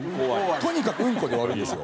とにかくうんこで終わるんですよ